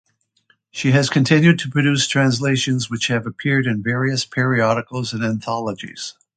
She has continued to produce translations which have appeared in various periodicals and anthologies.